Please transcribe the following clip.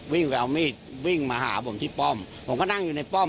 วิ่งไปเอามีดวิ่งมาหาผมที่ป้อมผมก็นั่งอยู่ในป้อม